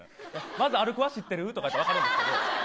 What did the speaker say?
まず歩くは知ってるとかなら分かるんですけど。